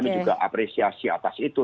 kami juga apresiasi atas itu